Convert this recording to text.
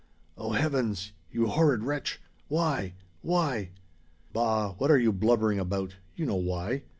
"O Heavens! You horrid wretch! Why why " "Bah! what are you blubbering about? You know why.